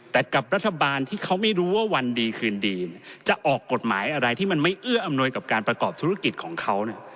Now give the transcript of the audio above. แต่กับรัฐบาลที่เขาไม่รู้ว่าวันดีคืนดีจะออกกฎหมายอะไรที่มันไม่เอื้ออำนวยกับการประกอบธุรกิจของเขา